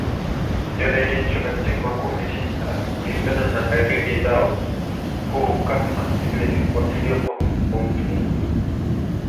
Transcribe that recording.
yameanishwa katika makundi tisa kulingana na dalili zao kuu kama vile kuathiriwa kwa mfumo